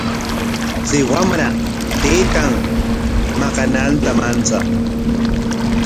Chay wamra taytan maqananta manchan.